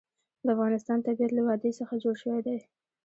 د افغانستان طبیعت له وادي څخه جوړ شوی دی.